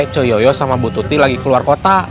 coyoyo sama bu tuti lagi keluar kota